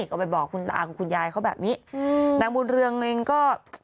ก็ไปบอกคุณตากับคุณยายเขาแบบนี้อืมนางบุญเรืองเองก็